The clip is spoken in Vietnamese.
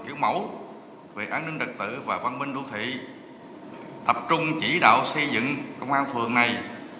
kiểu mẫu về an ninh đặc tự và văn minh đô thị tập trung chỉ đạo xây dựng công an phường này